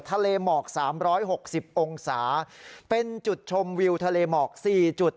ทะเลหมอก๓๖๐องศาเป็นจุดชมวิวทะเลหมอก๔จุด